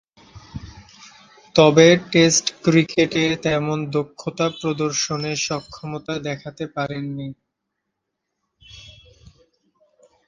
তবে, টেস্ট ক্রিকেটে তেমন দক্ষতা প্রদর্শনে সক্ষমতা দেখাতে পারেননি।